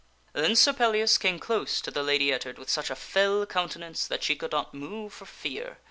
Then Sir Pellias came close to the Lady Ettard with such a fell coun tenance that she could not move for fear.